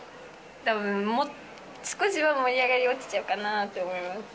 たぶん少しは盛り上がりは落ちちゃうかなと思います。